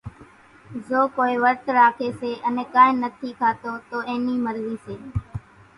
زو ڪونئين ورت راکي سي ان ڪانئين نٿي کاتو تو اين نِي مرضي سي،